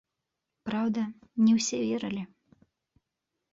Праўда, не ўсе верылі.